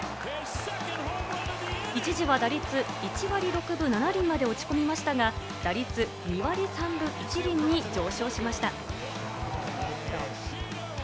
一時は打率１割６分７厘まで落ち込みましたが、打率２割３分１厘に上昇しました。